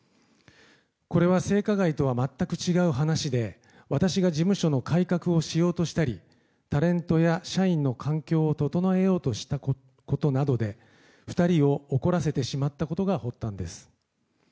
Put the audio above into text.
これは性加害とは全く違う話で私が事務所の改革をしようとしたりタレントや社員の環境を整えようとしたことなどで２人を怒らせてしまったことが発端です。